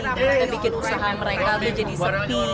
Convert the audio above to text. yang bikin usaha mereka jadi sepi